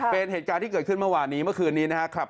เป็นเหตุการณ์ที่เกิดขึ้นเมื่อวานนี้เมื่อคืนนี้นะครับ